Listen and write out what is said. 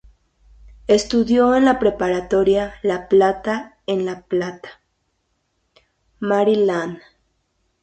Estudió en la Preparatoria La Plata en La Plata, Maryland.